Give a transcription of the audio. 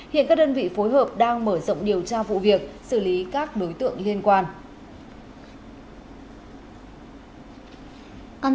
hiện các đơn vị phối hợp đang mở rộng điều tra vụ việc xử lý các đối tượng liên quan